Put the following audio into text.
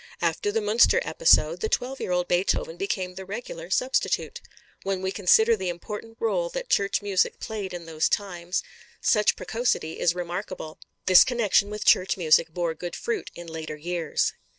After the Münster episode, the twelve year old Beethoven became the regular substitute. When we consider the important rôle that church music played in those times, such precocity is remarkable. This connection with church music bore good fruit in later years.